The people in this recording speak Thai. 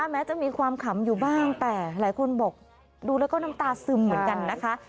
แม้จะมีความขำอยู่บ้างแต่หลายคนบอกดูแล้วก็น้ำตาซึมเหมือนกันนะคะ